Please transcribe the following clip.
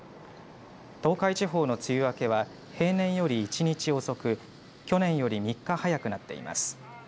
東海地方の梅雨明けは平年より１日遅く去年より３日早くなっています。